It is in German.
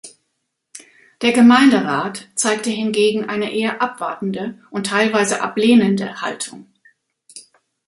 Der Gemeinderat zeigte hingegen eine eher abwartende und teilweise ablehnende Haltung.